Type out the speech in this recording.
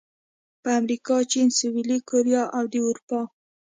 په امریکا، چین، سویلي کوریا او د اروپا